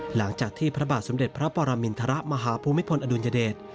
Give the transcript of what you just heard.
หลังจากที่พระบาทสมเด็จพระปรมินทรมาฮภูมิพลอดุลยเดช